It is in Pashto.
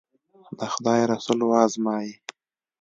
د خدای رسول و ازمایي.